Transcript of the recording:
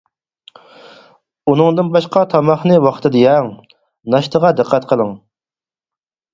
ئۇنىڭدىن باشقا تاماقنى ۋاقتىدا يەڭ، ناشتىغا دىققەت قىلىڭ.